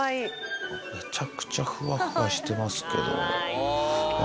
めちゃくちゃふわふわしてますけ